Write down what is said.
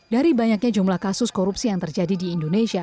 dari banyaknya jumlah kasus korupsi yang terjadi di indonesia